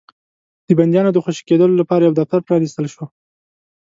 د بنديانو د خوشي کېدلو لپاره يو دفتر پرانيستل شو.